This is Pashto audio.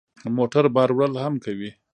موټر بار وړل هم کوي.